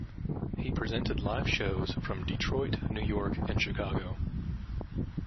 He presented live shows from Detroit, New York and Chicago.